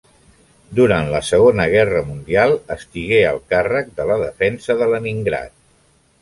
Durant la Segona Guerra Mundial, estigué al càrrec de la defensa de Leningrad.